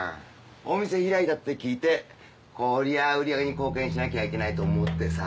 お店開いたって聞いてこりゃ売上に貢献しなきゃいけないと思ってさ